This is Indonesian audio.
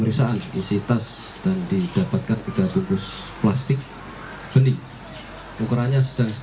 berilaku mencurigakan bahwa tas ransel berwarna dan uang rupiah sejumlah lima ratus lima ribu rupiah serta uang rupiah serta uang ringgit